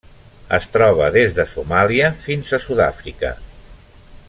Es troba des de Somàlia fins a Sud-àfrica.